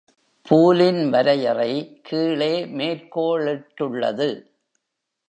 பூலின் வரையறை கீழே மேற்கோளிட்டுள்ளது.